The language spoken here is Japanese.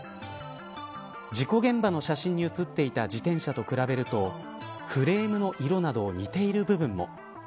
事故現場の写真に写っていた自転車と比べるとフレームの色など似ている部分も。